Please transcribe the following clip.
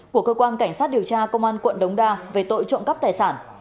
của cơ quan cảnh sát điều tra công an quận đống đa về tội trộm cắp tài sản